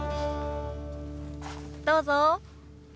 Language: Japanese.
どうぞ。